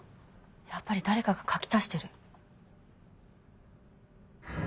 やっぱり誰かが書き足してる。